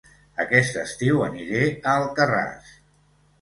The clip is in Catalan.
Aquest estiu aniré a Alcarràs